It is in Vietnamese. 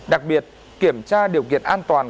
đặc biệt kiểm tra điều kiện an toàn